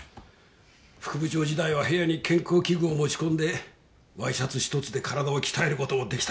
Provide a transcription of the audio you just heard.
副部長時代は部屋に健康器具を持ち込んでワイシャツ１つで体を鍛える事も出来た。